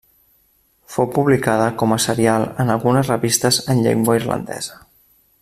Fou publicada com a serial en algunes revistes en llengua irlandesa.